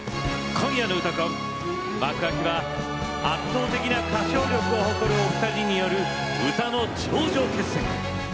今夜の「うたコン」幕開きは圧倒的な歌唱力を誇るお二人による歌の頂上決戦。